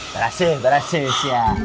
berhasil berhasil sia